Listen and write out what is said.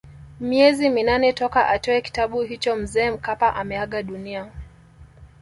Miezi minane toka atoe kitabu hicho Mzee Mkapa ameaga dunia